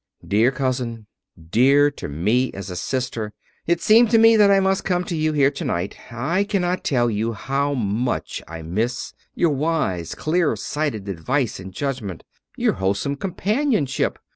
"Dear cousin, dear to me as a sister, it seemed to me that I must come to you here tonight. I cannot tell you how much I miss your wise, clear sighted advice and judgment, your wholesome companionship.